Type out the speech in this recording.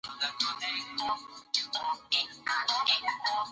غږېږه دواړه شونډې دې ازادې دي